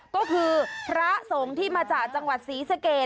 ก็คือพระสงฆ์ที่มาจากจังหวัดศรีสเกต